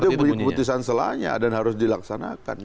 itu punya keputusan salahnya dan harus dilaksanakan